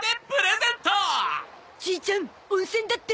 じいちゃん温泉だって！